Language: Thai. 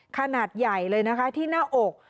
ขนาดใหญ่เลยนะคะที่หน้าอก